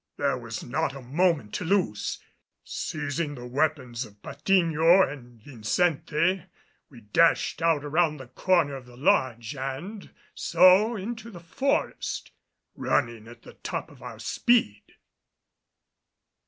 There was not a moment to lose. Seizing the weapons of Patiño and Vincente, we dashed out around the corner of the lodge and so into the forest, running at the top of our speed.